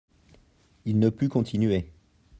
Il ne put continuer.